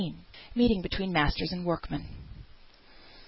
MEETING BETWEEN MASTERS AND WORKMEN.